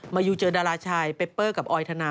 ยูเจอดาราชายเปเปอร์กับออยธนา